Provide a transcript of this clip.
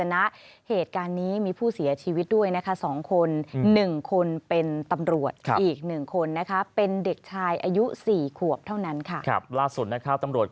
ดังนั้นเหตุการณ์นี้มีผู้เสียชีวิตด้วยหนึ่งคนเป็นตำรวจอีกหนึ่งคนเป็นเด็กชายอายุสี่ขวบเท่านั้น